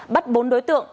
bắt bốn đối tượng